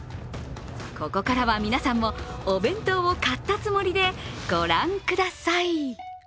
ここからは皆さんもお弁当を買ったつもりで御覧ください。